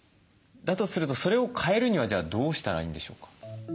だとするとそれを変えるにはじゃあどうしたらいいんでしょうか？